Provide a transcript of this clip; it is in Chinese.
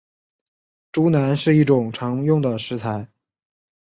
猪腩是一种常用的食材。